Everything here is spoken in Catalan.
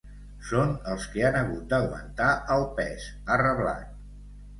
Són els que han hagut d’aguantar el pes, ha reblat.